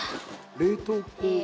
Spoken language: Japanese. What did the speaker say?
「冷凍庫？」